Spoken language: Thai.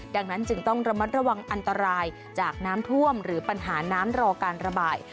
ดังนั้นจึงต้องระมัดระวังอันตรายจากน้ำท่วมหรือปัญหาน้ำรอการระบาย